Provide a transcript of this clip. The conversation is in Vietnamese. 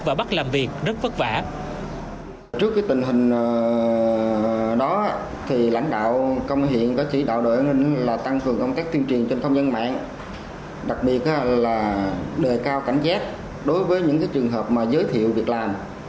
và bắt làm việc rất vất vả